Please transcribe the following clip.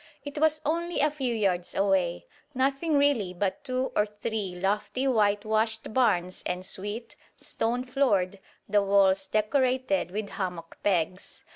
It was only a few yards away, nothing really but two or three lofty whitewashed barns en suite, stone floored, the walls decorated with hammock pegs.